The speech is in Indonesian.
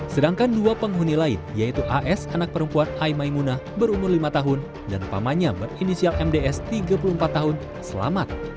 sedangkan dua penghuni lain yaitu as anak perempuan aimaimunah berumur lima tahun dan pamannya berinisial mds tiga puluh empat tahun selamat